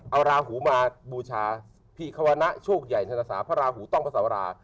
เอาราหูมาบูชาพี่ควระโชคใหญ่ธนาสาพระราหูต้องพระสาวรา